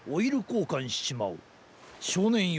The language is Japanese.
しょうねんよ